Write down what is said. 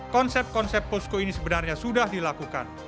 konsep konsep posko ini sebenarnya sudah dilakukan